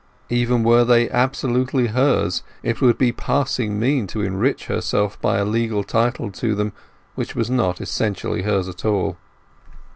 Even were they absolutely hers it would be passing mean to enrich herself by a legal title to them which was not essentially hers at all.